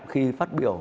khi phát biểu